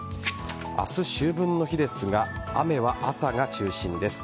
明日、秋分の日ですが雨は朝が中心です。